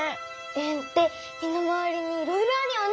円って身の回りにいろいろあるよね。